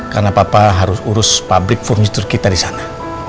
karena papa harus urus pabrik furniture kita di sana